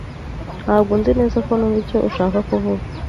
Ntabwo nzi neza ko numva icyo ushaka kuvuga.